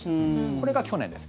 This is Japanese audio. これが去年です。